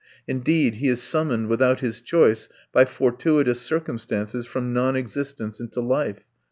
Indeed, he is summoned without his choice by fortuitous circumstances from non existence into life